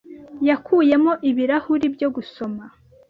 yakuyemo ibirahuri byo gusoma.